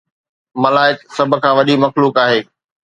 ملائڪ سڀ کان وڏي مخلوق آهن